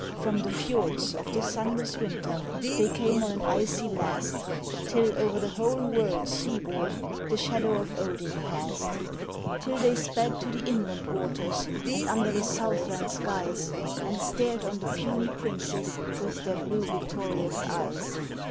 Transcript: From the fiords of the sunless winter, they came on an icy blast, Till over the whole world's sea board the shadow of Odin passed, Till they sped to the inland waters and under the South land skies, And stared on the puny princes, with their blue victorious eyes.